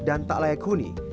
dan tak layak huni